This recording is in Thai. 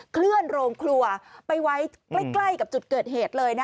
เคลื่อนโรงครัวไปไว้ใกล้กับจุดเกิดเหตุเลย